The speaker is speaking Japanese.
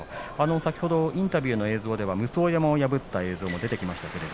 インタビューの映像では武双山を破った映像もありました。